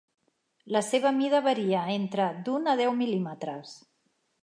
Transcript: La seva mida varia entre d'un a deu mil·límetres.